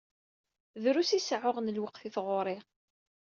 Drus i seɛɛuɣ n lweqt i tɣuri.